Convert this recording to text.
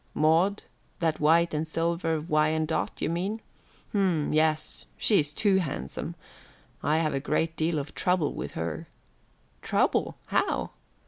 "Maud, that white and silver Wyandotte, you mean. H'm, yes. She's too handsome. I have a great deal of trouble with her." "Trouble how?"